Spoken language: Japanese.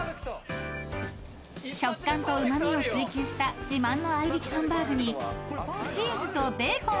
［食感とうま味を追求した自慢の合いびきハンバーグにチーズとベーコンをトッピング］